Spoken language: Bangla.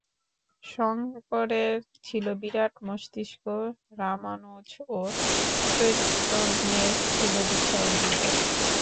শঙ্করের ছিল বিরাট মস্তিষ্ক, রামানুজ ও চৈতন্যের ছিল বিশাল হৃদয়।